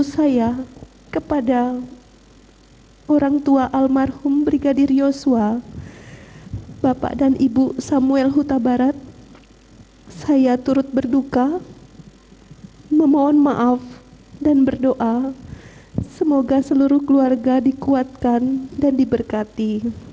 saya berduka memohon maaf dan berdoa semoga seluruh keluarga dikuatkan dan diberkati